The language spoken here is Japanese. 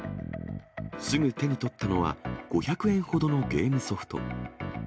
すぐ手に取ったのは、５００円ほどのゲームソフト。